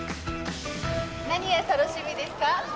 何が楽しみですか？